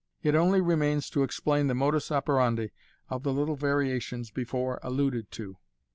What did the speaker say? It only remains to explain the modus operandi of the little varia tions before alluded to.